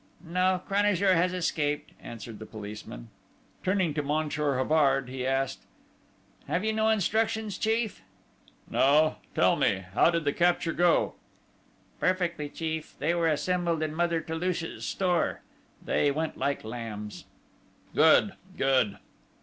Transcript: "No. Cranajour has escaped," answered the policeman. Turning to Monsieur Havard, he asked: "You have no instructions, chief?" "No. Tell me, how did the capture go?" "Perfectly, chief. They were assembled in Mother Toulouche's store. They went like lambs." "Good!... Good!"